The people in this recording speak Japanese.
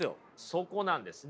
そこなんですよ。